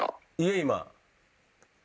今。